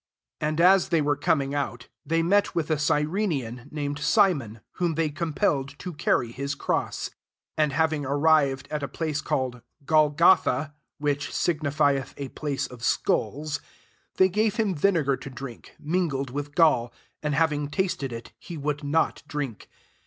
32 And as they were coinybtg out, they met with a Cyrenian, named Simon ; whom thej compelled to carry his cross. 3$ And having arrived at a place called Golgotha, which [sigufi eth] a place of skulls, 34 tliey gave him vinegar to drink, mm* gled with gall: and having tasted it he would not drink.